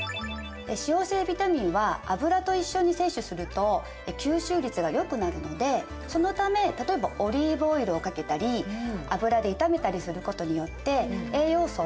脂溶性ビタミンは油と一緒に摂取すると吸収率がよくなるのでそのため例えばオリーブオイルをかけたり油で炒めたりすることによって栄養素を効率よくとることができます。